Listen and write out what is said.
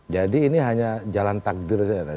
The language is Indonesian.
jadi ini hanya jalan takdir saja